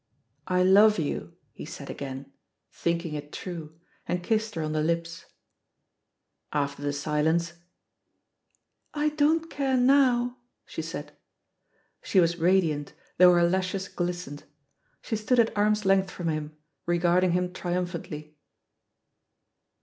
"I love you," he said again, thinking it true, and kissed her on the lips. After the silence, "I don't care nowf* she said. She was radiant, though her lashes glistened. She stood at arm's length from him, regarding him triumphantly.